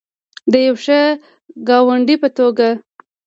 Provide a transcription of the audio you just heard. د یو ښه ګاونډي په توګه.